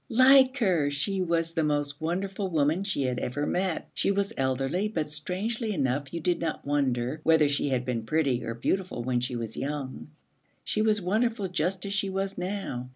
Like her! she was the most wonderful woman she had ever met. She was elderly, but strangely enough you did not wonder whether she had been pretty or beautiful when she was young. She was wonderful just as she was now.